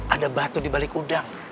ada batu di balik udang